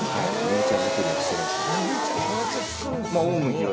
麦茶作りをしています。